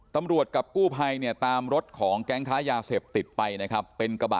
ตำรวจกับกู้ภัยเนี่ยตามรถของแก๊งค้ายาเสพติดไปนะครับ